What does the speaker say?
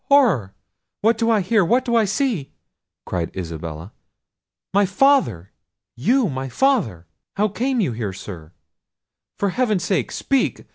horror! what do I hear! what do I see!" cried Isabella. "My father! You my father! How came you here, Sir? For heaven's sake, speak!